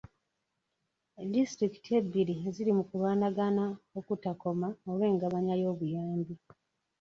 Disitulikiti ebbiri ziri mu kulwanagana okutakoma olw'engabanya y'obuyambi.